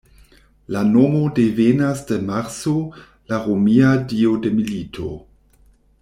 La nomo devenas de Marso, la romia dio de milito.